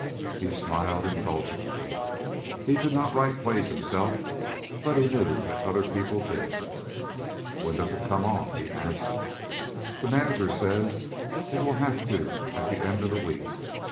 He smiled indulgently. He did not write plays himself but he knew that other people did. "When does it come off?" he asked. "The manager says it will have to at the end of the week.